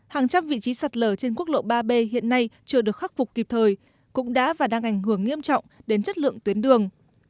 hàng trăm vị trí sạt lở trên quốc lộ ba b hiện nay chưa được khắc phục kịp thời cũng đã và đang ảnh hưởng nghiêm trọng đến chất lượng tuyến đường